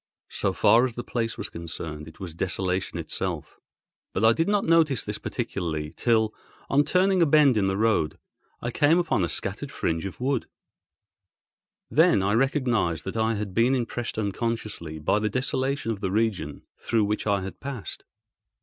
So far as the place was concerned, it was desolation itself. But I did not notice this particularly till, on turning a bend in the road, I came upon a scattered fringe of wood; then I recognised that I had been impressed unconsciously by the desolation of the region through which I had passed.